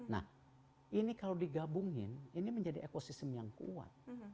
nah ini kalau digabungin ini menjadi ekosistem yang kuat